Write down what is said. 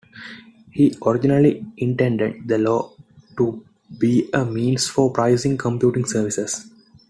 He originally intended the law to be a "means for pricing computing services.".